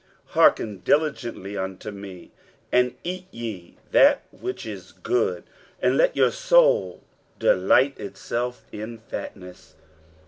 hearken diligently unto me, and eat ye that which is good, and let your soul delight itself in fatness.